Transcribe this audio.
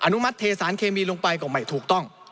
อนุมัติเทสารเคมีน้ำมันลงไปก็ไม่ถูกต้อง